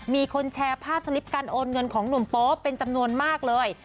มีคนแชร์ภาพสลิปการโอนเงินของหนุ่มโป๊เป็นจำนวนมากเลย